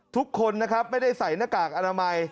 ทุกคนนะครับไม่ได้ใส่หน้ากากอนามัย